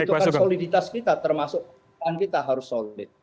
kita membutuhkan soliditas kita termasuk kepentingan kita harus solid